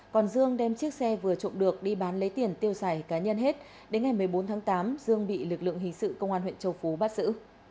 còn dương đem chiếc xe vừa trộm được đi bán lấy tiền tiêu xài cá nhân hết đến ngày một mươi bốn tháng tám dương bị lực lượng hình sự công an huyện châu phú bắt giữ